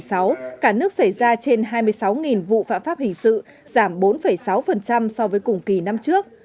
sau tháng đầu năm hai nghìn một mươi sáu cả nước xảy ra trên hai mươi sáu vụ phạm pháp hình sự giảm bốn sáu so với cùng kỳ năm trước